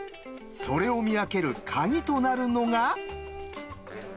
それを見分ける鍵となるのが。